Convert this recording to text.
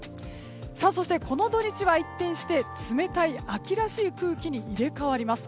そして、この土日は一転して冷たい秋らしい空気に入れ替わります。